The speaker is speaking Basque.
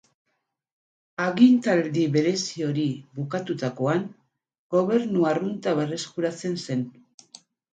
Agintaldi berezi hori bukatutakoan, gobernu arrunta berreskuratzen zen.